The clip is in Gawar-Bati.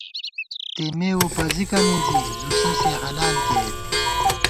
تېمےوُپَزِکہ مِنزی ، زُوسَسِیَہ حلال کېئیت